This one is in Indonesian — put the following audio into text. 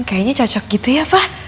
kayaknya cocok gitu ya fah